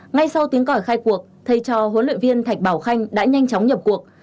ngay sau tiếng cõi khai cuộc thầy cho huấn luyện viên thạch bảo khanh đã nhanh chóng nhập cuộc